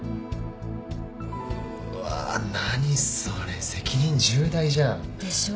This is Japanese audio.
うーわっ何それ責任重大じゃん。でしょ？